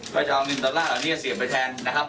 ก็จะเอาเงินดอลลาร์เหล่านี้เสี่ยงไปแทนนะครับ